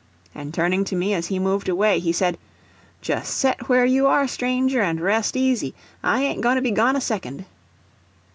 And turning to me as he moved away, he said: "Just set where you are, stranger, and rest easy—I ain't going to be gone a second."